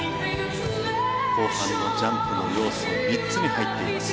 後半のジャンプの要素の３つに入っています。